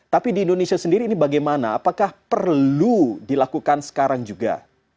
tapi di indonesia sendiri ini bagaimana apakah perlu dilakukan sekarang juga